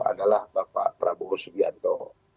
adalah bapak prabowo subianto